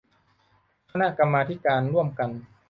คณะกรรมาธิการร่วมกัน